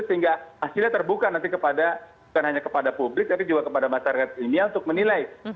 sehingga hasilnya terbuka nanti kepada bukan hanya kepada publik tapi juga kepada masyarakat ilmiah untuk menilai